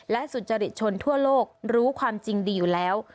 และสุจริตชนทั่วโลกรู้ความจริงดีอยู่แล้ว